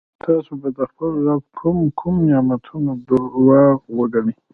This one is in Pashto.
تاسو به د خپل رب کوم کوم نعمتونه درواغ وګڼئ.